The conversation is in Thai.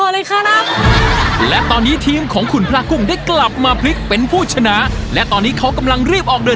ไม่อย่าให้เห็นพี่ชอบกินกะไอ้พี่พาพี่พากินได้